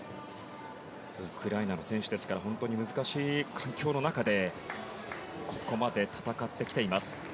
ウクライナの選手ですから難しい環境の中でここまで戦ってきています。